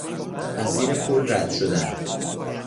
از زیر پل رد شدن